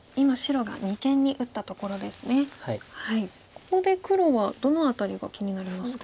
ここで黒はどの辺りが気になりますか。